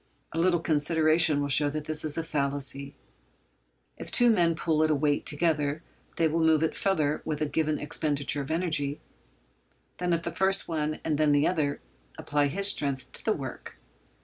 A little consideration will show that this is a fallacy. If two men pull at a weight together they will move it farther with a given expenditure of energy than if first one and then the other apply his strength to the work.